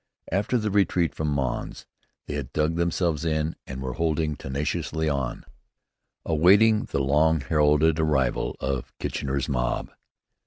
After the retreat from Mons, they had dug themselves in and were holding tenaciously on, awaiting the long heralded arrival of Kitchener's Mob.